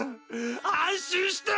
安心して！